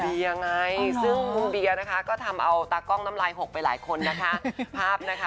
ถล่มเบียร์ไงซึ่งถล่มเบียร์นะคะก็ทำเอาตากล้องน้ำลายหกไปหลายคนนะคะ